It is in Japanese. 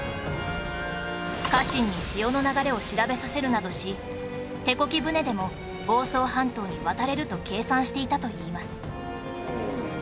家臣に潮の流れを調べさせるなどし手こぎ舟でも房総半島に渡れると計算していたといいます